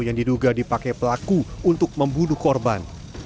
yang diduga dipakai pelaku untuk membunuh korban